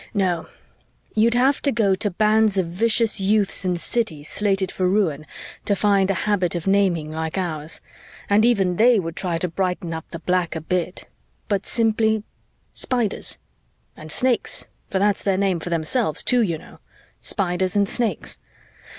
"No, you'd have to go to bands of vicious youths in cities slated for ruin to find a habit of naming like ours, and even they would try to brighten up the black a bit. But simply Spiders. And Snakes, for that's their name for themselves too, you know. Spiders and Snakes.